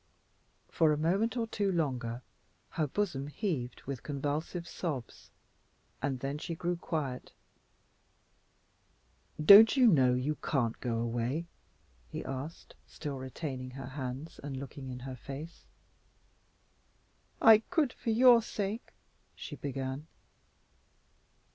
For a moment or two longer her bosom heaved with convulsive sobs, and then she grew quiet. "Don't you know you can't go away?" he asked, still retaining her hands and looking in her face. "I could for your sake," she began.